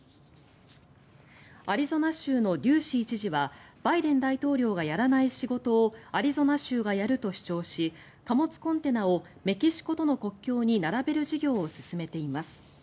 アリゾナ州のデューシー知事はバイデン大統領がやらない仕事をアリゾナ州がやると主張し貨物コンテナをメキシコとの国境に並べる事業を進めています。